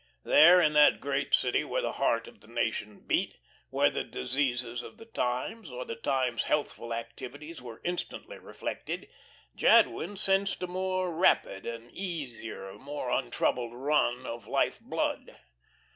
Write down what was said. There, in that great city where the Heart of the Nation beat, where the diseases of the times, or the times' healthful activities were instantly reflected, Jadwin sensed a more rapid, an easier, more untroubled run of life blood.